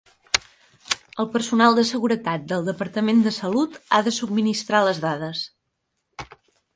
El personal de seguretat del Departament de Salut ha de subministrar les dades.